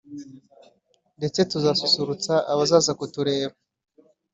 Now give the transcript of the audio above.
ndetse tuzasusurutsa abazaza kutureba